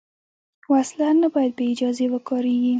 وسله نه باید بېاجازه وکارېږي